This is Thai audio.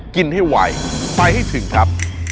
กินให้ไวไปให้ถึงครับ